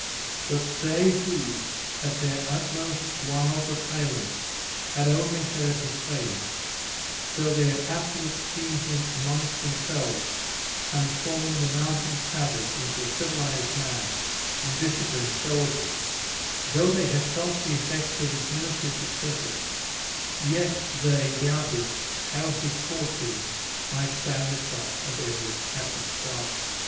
But they who, at their utmost wilds of Highlands, had only heard his fame; though they had afterward seen him amongst themselves, transforming the mountain savage into a civilized man and disciplined soldier; though they had felt the effects of his military successes; yet they doubted how his fortunes might stand the shock of Edward's happy star.